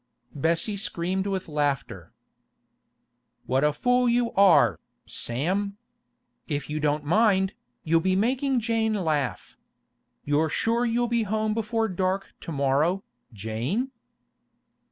Bessie screamed with laughter. 'What a fool you are, Sam! If you don't mind, you'll be making Jane laugh. You're sure you'll be home before dark to morrow, Jane?